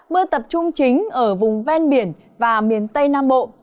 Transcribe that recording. mưa tập trung chính ở vùng ven biển và miền tây nam bộ